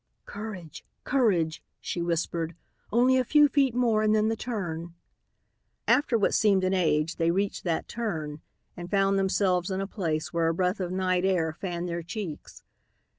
"Courage! Courage!" she whispered. "Only a few feet more and then the turn." After what seemed an age they reached that turn and found themselves in a place where a breath of night air fanned their cheeks.